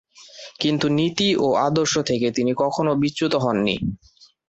কিন্তু নীতি ও আদর্শ থেকে তিনি কখনও বিচ্যুত হননি।